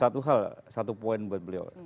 satu hal satu poin buat beliau